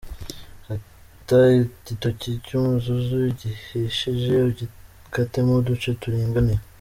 Hata igitoki cy’umuzuzu gihishije, ugikatemo uduce turinganiye.